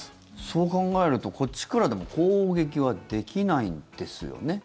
そう考えるとこっちから攻撃はできないんですよね？